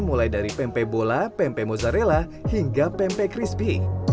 mulai dari pempek bola pempek mozzarella hingga pempek crispy